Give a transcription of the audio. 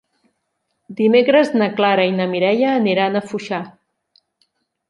Dimecres na Clara i na Mireia aniran a Foixà.